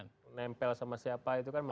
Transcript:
nempel sama siapa itu kan